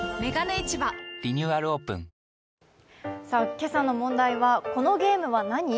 今朝の問題は、このゲームは何？